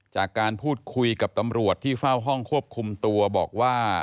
จากการพูดคุยกับตำรวจที่เฝ้าห้องควบคุมตัวบอกว่า